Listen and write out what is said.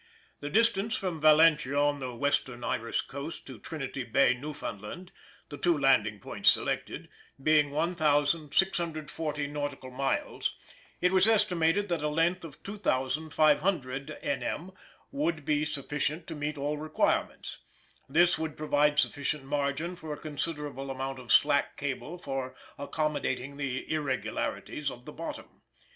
The distance from Valentia, on the western Irish coast, to Trinity Bay, Newfoundland the two landing points selected being 1,640 nautical miles, it was estimated that a length of 2,500 N.M. would be sufficient to meet all requirements. This would provide sufficient margin for a considerable amount of "slack" cable for accommodating the irregularities of the bottom.